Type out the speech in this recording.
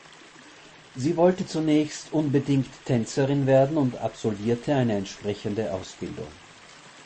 Sie wollte zunächst unbedingt Tänzerin werden und absolvierte eine entsprechende Ausbildung.